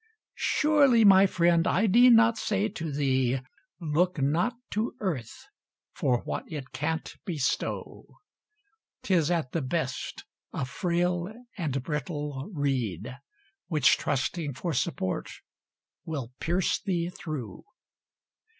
Surely my friend, I need not say to thee, Look not to earth for what it can't bestow; 'Tis at the best a frail and brittle reed, Which trusting for support, will pierce thee through.